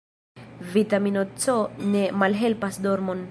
Vitamino C ne malhelpas dormon.